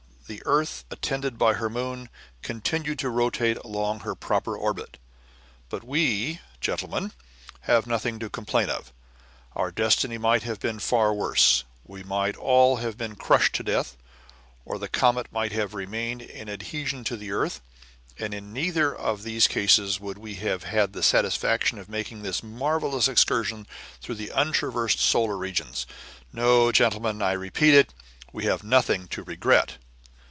the earth, attended by her moon, continued to rotate along her proper orbit. But we, gentlemen, have nothing to complain of; our destiny might have been far worse; we might all have been crushed to death, or the comet might have remained in adhesion to the earth; and in neither of these cases should we have had the satisfaction of making this marvelous excursion through untraversed solar regions. No, gentlemen, I repeat it, we have nothing to regret."